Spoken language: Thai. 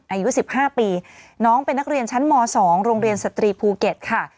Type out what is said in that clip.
อายุ๑๕ปีน้องเป็นนักเรียนชั้นม๒โรงเรียนสตรีภูเก็ตค่ะ